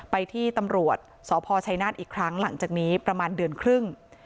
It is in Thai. ไปที่ตำรวจสพชัยนาธอีกครั้งหลังจากนี้ประมาณเดือนครึ่ง